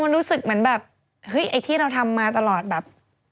มันรู้สึกเหมือนแบบหยีที่เราทำมาตลอดแบบ